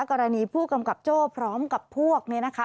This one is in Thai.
กรณีผู้กำกับโจ้พร้อมกับพวกนี้นะคะ